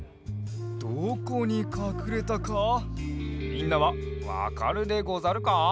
どこにかくれたかみんなはわかるでござるか？